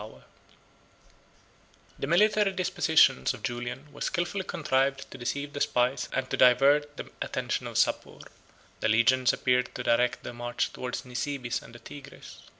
] The military dispositions of Julian were skilfully contrived to deceive the spies and to divert the attention of Sapor. The legions appeared to direct their march towards Nisibis and the Tigris.